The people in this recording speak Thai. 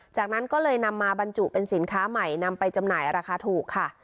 จากนั้นก็เลยนำมาบรรจุเป็นสินค้าใหม่นำไปจำหน่ายราคาถูกค่ะ